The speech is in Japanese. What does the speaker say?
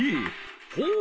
ほう！